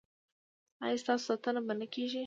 ایا ستاسو ساتنه به نه کیږي؟